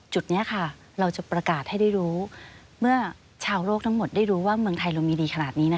จุดนี้ค่ะเราจะประกาศให้ได้รู้เมื่อชาวโลกทั้งหมดได้รู้ว่าเมืองไทยเรามีดีขนาดนี้